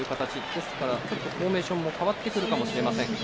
ですから、フォーメーションも変わってくるかもしれません。